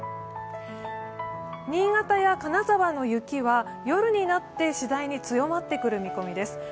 新潟や金沢の雪は夜になってしだいに強まってくる見込みです。